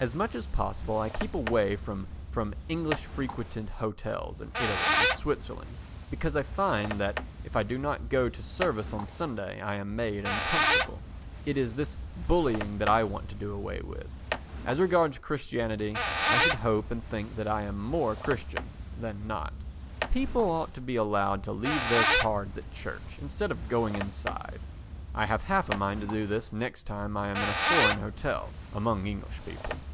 As much as possible I keep away from English frequented hotels in Italy and Switzerland because I find that if I do not go to service on Sunday I am made uncomfortable. It is this bullying that I want to do away with. As regards Christianity I should hope and think that I am more Christian than not. People ought to be allowed to leave their cards at church, instead of going inside. I have half a mind to try this next time I am in a foreign hotel among English people.